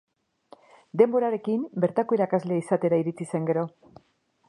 Denborarekin bertako irakaslea izatera iritsi zen gero.